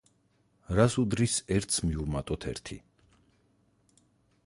რას უდრის ერთს მივუმატოთ ერთი?